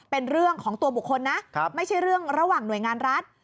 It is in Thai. เป็นเรื่องของตัวบุคคลนะไม่ใช่เรื่องระหว่างหน่วยงานรัฐ